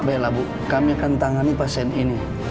baiklah bu kami akan tangani pasien ini